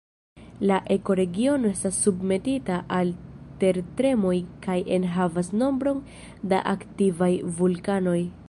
La ekoregiono estas submetita al tertremoj kaj enhavas nombron da aktivaj vulkanoj.